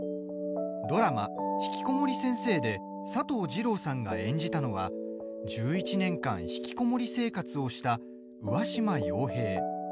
ドラマ「ひきこもり先生」で佐藤二朗さんが演じたのは１１年間ひきこもり生活をした上嶋陽平。